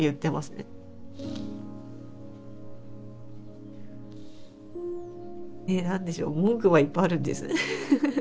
ねっ何でしょう文句はいっぱいあるんです。